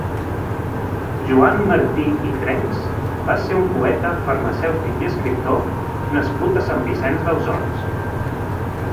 Joan Martí i Trenchs va ser un poeta, farmacèutic i escriptor nascut a Sant Vicenç dels Horts.